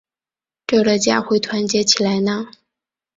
这个家会团结起来呢？